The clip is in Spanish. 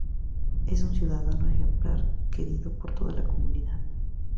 Es un ciudadano ejemplar, querido por toda la comunidad.